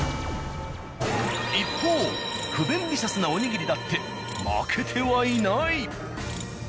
一方不便利シャスなおにぎりだって負けてはいない。